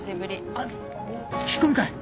あっ聞き込みかい？